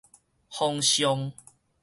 風象